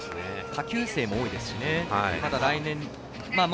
下級生も多いですしまた、来年も。